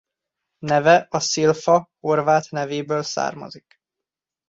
Neve a szilfa horvát nevéből származik.